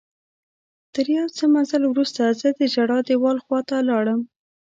تر یو څه مزل وروسته زه د ژړا دیوال خواته لاړم.